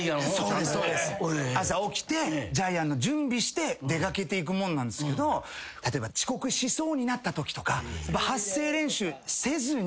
朝起きてジャイアンの準備して出掛けていくもんなんですけど例えば遅刻しそうになったときとか。